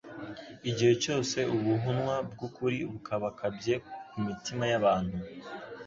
Igihe cyose ubuhunwa bw'ukuri bukabakabye ku mitima y'abantu,